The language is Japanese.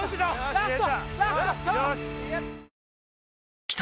ラスト！